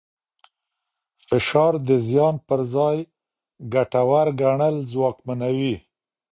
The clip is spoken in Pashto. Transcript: فشار د زیان پر ځای ګټور ګڼل ځواکمنوي.